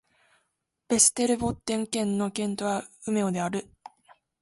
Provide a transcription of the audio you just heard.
ヴェステルボッテン県の県都はウメオである